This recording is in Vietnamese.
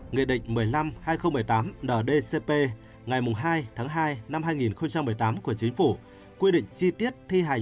nghị định một mươi năm hai nghìn một mươi tám ndcp ngày hai tháng hai năm hai nghìn một mươi tám của chính phủ quy định chi tiết thi hành